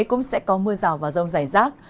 cũng sẽ có mưa rào và rông rải rác